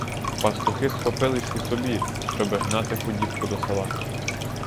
Пастухи схопились і собі, щоби гнати худібку до села.